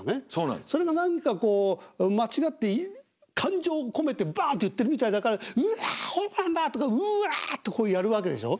それが何かこう間違って感情込めてバンと言ってるみたいだから「うわ本番だ！」とか「うわ」っとこうやるわけでしょう。